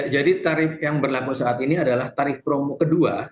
jadi tarif yang berlaku saat ini adalah tarif promo kedua